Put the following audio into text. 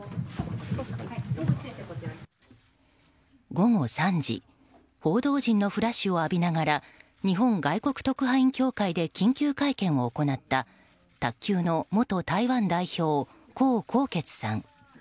午後３時報道陣のフラッシュを浴びながら日本外国特派員協会で緊急会見を行った卓球の元台湾代表、江宏傑さん。